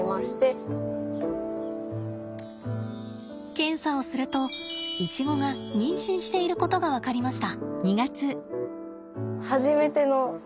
検査をするとイチゴが妊娠していることが分かりました。